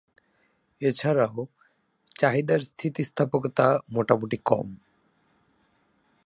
এছাড়াও, চাহিদার স্থিতিস্থাপকতা মোটামুটি কম।